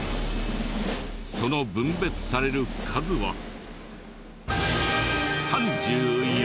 その分別される数は。